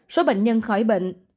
số bệnh nhân khỏi bệnh